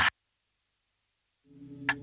kisah di balik masing masing ini mempesona